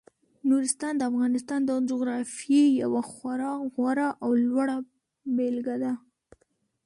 نورستان د افغانستان د جغرافیې یوه خورا غوره او لوړه بېلګه ده.